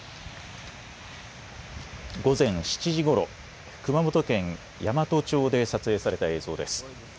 午前７時ごろ熊本県山都町で撮影された映像です。